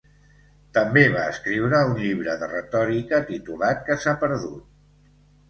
També va escriure un llibre de retòrica titulat que s'ha perdut.